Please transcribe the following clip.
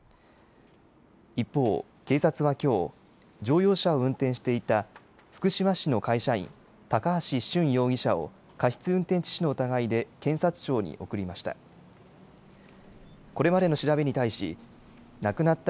一方、警察はきょう乗用車を運転していた福島市の会社員、高橋俊容疑者を過失運転致死の疑いで検察庁に送りました。